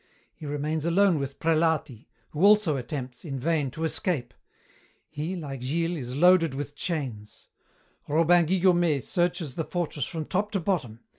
He remains alone with Prelati, who also attempts, in vain, to escape. He, like Gilles, is loaded with chains. Robin Guillaumet searches the fortress from top to bottom.